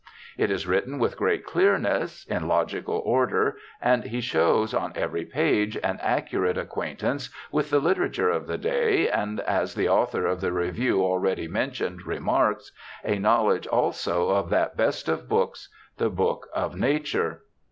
It is written with great clearness, in logical order, and he shows on every page an accurate acquaintance with the literature of the day, and, as the author of the review already mentioned remarks, a knowledge also of that best of books, the book of nature.